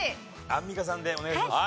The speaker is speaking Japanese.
アンミカさんでお願いします。